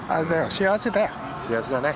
幸せだよ。